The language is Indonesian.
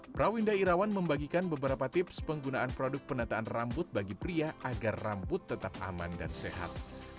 prawinda irawan membagikan beberapa tips penggunaan produk penataan rambut bagi pria agar rambut tetap aman dan sehat